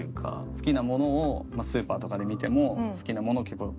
好きなものをスーパーとかで見ても好きなものを結構。